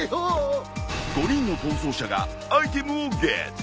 ５人の逃走者がアイテムをゲット。